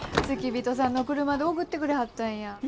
付き人さんの車で送ってくれはったんや。